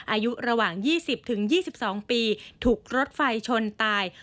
อายุระหว่าง๒๐๒๒ปีถูกรถไฟชนตาย